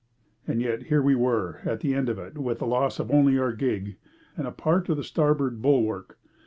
And yet here we were at the end of it with the loss only of our gig and of part of the starboard bulwark.